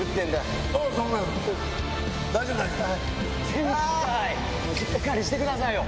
先輩しっかりしてくださいよ。